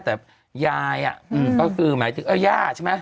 แต่ฮุ่ยายิ่อ่ะก็คือหมายถึงอ้าย่าใช่ไหม